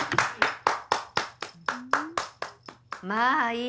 まぁいい。